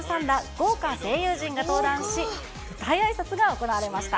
豪華声優陣が登壇し、舞台あいさつが行われました。